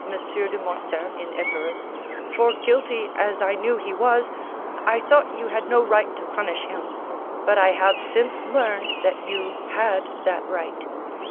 de Morcerf in Epirus, for guilty as I knew he was, I thought you had no right to punish him; but I have since learned that you had that right.